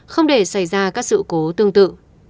không để xảy ra các sự cố tương tự